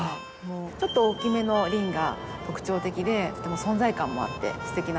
ちょっと大きめの輪が特徴的でとても存在感もあってすてきなお花ですよね。